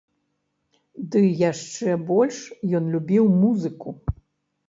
Ды яшчэ больш ён любіў музыку.